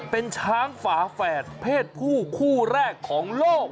เป็นช้างฝาแฝดเพศผู้คู่แรกของโลก